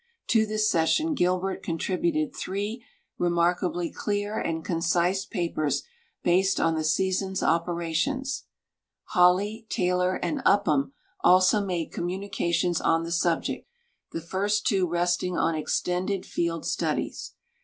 To this session Gilbert contributed tliree remarkably clear and conci.se papers base<l on the season's operations; Holley, Taylor, and Upham also made communications on the subject, the first two resting on extendeil field studies.